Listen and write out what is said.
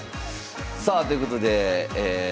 さあということでえ